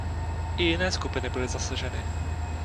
I jiné skupiny byly zasaženy.